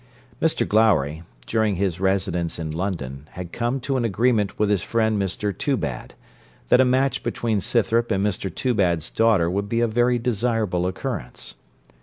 Mr Glowry, during his residence in London, had come to an agreement with his friend Mr Toobad, that a match between Scythrop and Mr Toobad's daughter would be a very desirable occurrence.